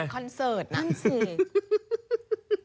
เปิดคอนเซิร์ตนั่นสิ